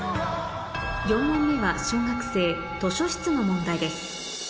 ４問目は小学生図書室の問題です